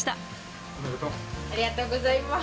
ありがとうございます。